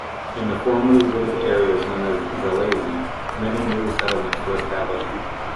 In the formerly wooded areas, known as Zalesye, many new settlements were established.